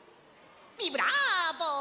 ビブラーボ！